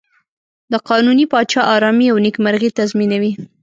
د قانوني پاچا آرامي او نېکمرغي تضمینوي.